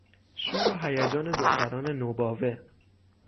شور و هیجان دختران نوباوه